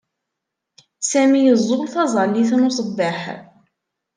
Sami yeẓẓul taẓallit n usebbeḥ.